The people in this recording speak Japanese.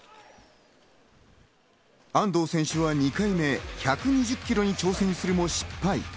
安藤選手は２回目１２０ｋｇに挑戦するも失敗。